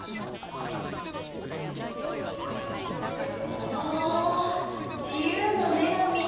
お自由の女神。